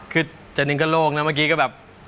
คือจะนิงเกอร์โลกนะเมื่อกี้ก็แบบ